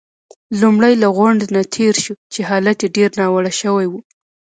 لومړی له غونډ نه تېر شوو، چې حالت يې ډېر ناوړه شوی وو.